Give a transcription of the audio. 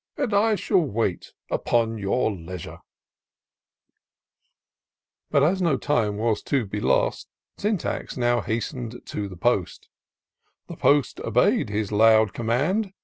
And I shall wait upon your leisure, But, as no time was to be lost. Syntax now hasten'd to the post: The post obey'd his loud command.